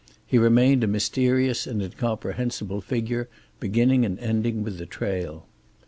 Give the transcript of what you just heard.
He remained a mysterious and incomprehensible figure, beginning and ending with the trail.